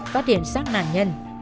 phát hiện sát nạn nhân